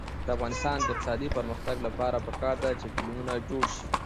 د افغانستان د اقتصادي پرمختګ لپاره پکار ده چې فلمونه جوړ شي.